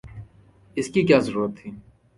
اس کی کیا ضرورت تھی؟